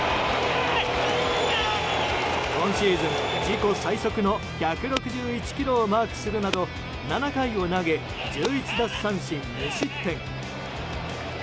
今シーズン自己最速の１６１キロをマークするなど７回を投げ１１奪三振、無失点。